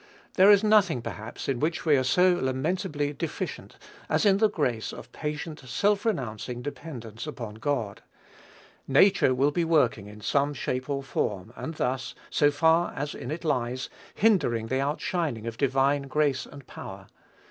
There is nothing, perhaps, in which we are so lamentably deficient, as in the grace of patient, self renouncing dependence upon God. Nature will be working in some shape or form, and thus, so far as in it lies, hindering the outshining of divine grace and power.